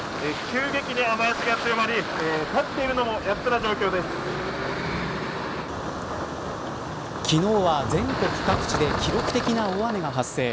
急激に雨脚が強まり立っているのも昨日は全国各地で記録的な大雨が発生。